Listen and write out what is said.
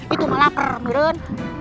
itu malah peren